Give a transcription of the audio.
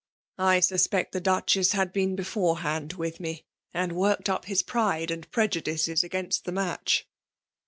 I suspect the Duchess had been beforehand with me, and worked up his pride and prejudices against the match."